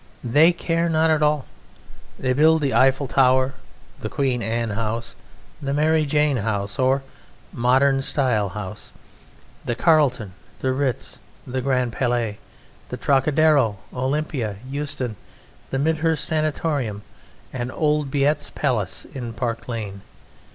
They care not at all! They build the Eiffel Tower, the Queen Anne house, the Mary Jane house, the Modern Style house, the Carlton, the Ritz, the Grand Palais, the Trocadero, Olympia, Euston, the Midhurst Sanatorium, and old Beit's Palace in Park Lane.